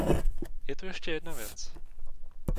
Je tu ještě jedna věc.